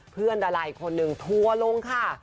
เพื่อนดาลัยคนหนึ่งทัวร์ลงค่ะ